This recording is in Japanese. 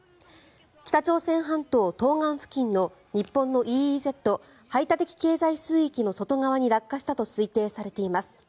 北朝鮮半島東岸付近の日本のＥＥＺ・排他的経済水域の外側に落下したと推定されています。